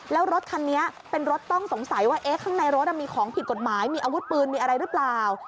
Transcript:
แล้วรถคันนี้เป็นรถต้องสงสัยว่าข้างในรถมีของผิดกฎหมายมีอาวุธปืนมีอะไรหรือเปล่า